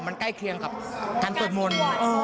มันใกล้เคียงกับการสวดมนต์